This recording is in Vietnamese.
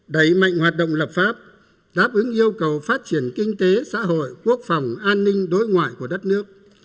đẩy mạnh hoạt động lập pháp đáp ứng yêu cầu phát triển kinh tế xã hội quốc phòng an ninh đối ngoại của đất nước